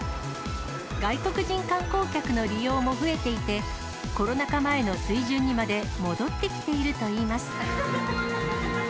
外国人観光客の利用も増えていて、コロナ禍前の水準にまで戻ってきているといいます。